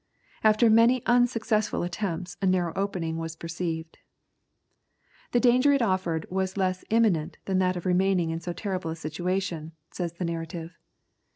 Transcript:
After many unsuccessful attempts, a narrow opening was perceived. "The danger it offered was less imminent than that of remaining in so terrible a situation," says the narrative.